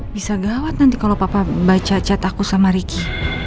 bisa gawat nanti kalau papa baca cat aku sama ricky